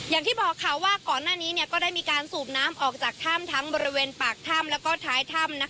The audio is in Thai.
อย่างที่บอกค่ะว่าก่อนหน้านี้ก็ได้มีการสูบน้ำออกจากถ้ำทั้งบริเวณปากถ้ำแล้วก็ท้ายถ้ำ